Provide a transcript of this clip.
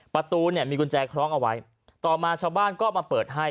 ประตูเนี่ยมีกุญแจคล้องเอาไว้ต่อมาชาวบ้านก็มาเปิดให้